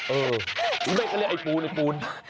เออจริงเขาเรียกไอพูนเซทอะไรแบบนี้